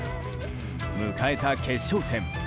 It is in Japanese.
迎えた決勝戦。